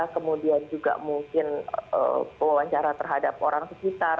kemudian juga mungkin wawancara terhadap orang sekitar